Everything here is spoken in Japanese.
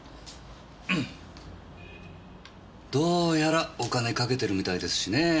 どうやらお金かけてるみたいですしねぇ。